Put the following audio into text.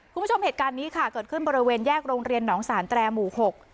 คุณผู้ชมเหตุการณ์นี้ค่ะเกิดขึ้นบริเวณแยกโรงเรียนหนองสารแตรหมู่หก